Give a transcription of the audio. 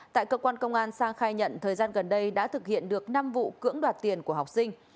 tại cơ quan công an sang khai nhận thời gian gần đây đã thực hiện được năm vụ cưỡng đoạt tiền của học sinh